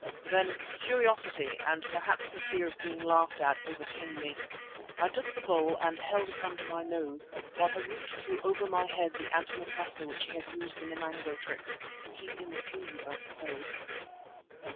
Then curiosity and perhaps the fear of being laughed at overcame me. I took the bowl and held it under my nose, while Harût threw over my head the antimacassar which he had used in the mango trick, to keep in the fumes I suppose.